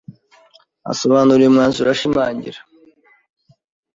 asobanura uyu mwanzuro ashimangira